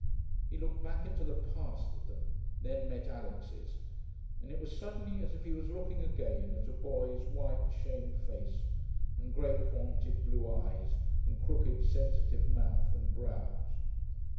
He looked back into the past at them, then met Alix's, and it was suddenly as if he was looking again at a boy's white, shamed face and great haunted blue eyes and crooked, sensitive mouth and brows....